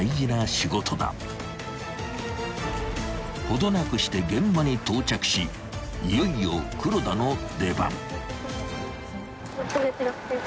［程なくして現場に到着しいよいよ黒田の出番］